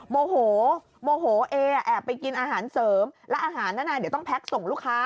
โมโหโมโหเอแอบไปกินอาหารเสริมแล้วอาหารนั้นเดี๋ยวต้องแพ็คส่งลูกค้า